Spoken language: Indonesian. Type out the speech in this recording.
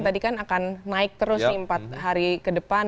tadi kan akan naik terus nih empat hari ke depan